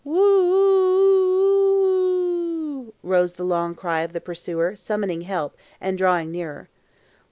"Whow oo oo oo ow," rose the long cry of the pursuer, summoning help, and drawing nearer.